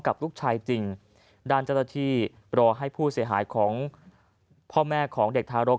กับลูกชายจริงด้านเจ้าหน้าที่รอให้ผู้เสียหายของพ่อแม่ของเด็กทารก